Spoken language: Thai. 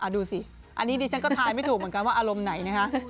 ดูสิอันนี้ดิฉันก็ทายไม่ถูกเหมือนกันว่าอารมณ์ไหนนะคะ